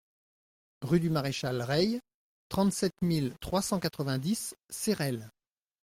Rue du Maréchal Reille, trente-sept mille trois cent quatre-vingt-dix Cerelles